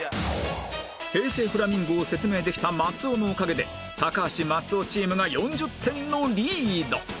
平成フラミンゴを説明できた松尾のおかげで高橋・松尾チームが４０点のリード